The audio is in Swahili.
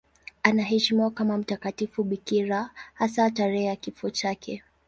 Anaheshimiwa kama mtakatifu bikira, hasa tarehe ya kifo chake.